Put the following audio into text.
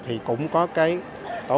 thì cũng có cái tổ hợp sản xuất này